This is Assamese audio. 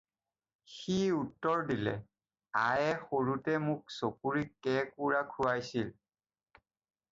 "সি উত্তৰ দিলে- "আয়ে সৰুতে মোক ছকুৰি কেঁকোৰা খুৱাইছিল।"